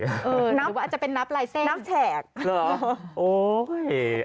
เออหรือว่าจะเป็นนับลายเซ่งเหรอโอ้เฮ